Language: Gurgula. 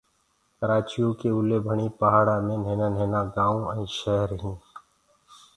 ڪرآچيو ڪي اوليڀڻيٚ پهآڙآنٚ مي نهينآ نهينآ گآئونٚ ائينٚ شير هينٚ